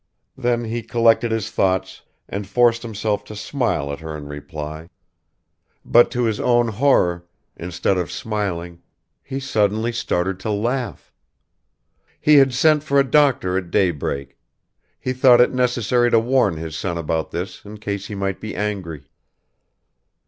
Then he collected his thoughts and forced himself to smile at her in reply, but to his own horror, instead of smiling, he suddenly started to laugh. He had sent for a doctor at daybreak. He thought it necessary to warn his son about this, in case he might be angry.